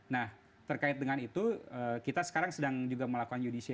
nah terkait dengan itu kita sekarang sedang juga melakukan judicial